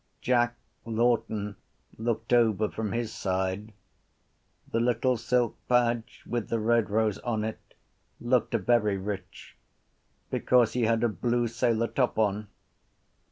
Jack Lawton looked over from his side. The little silk badge with the red rose on it looked very rich because he had a blue sailor top on.